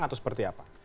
atau seperti apa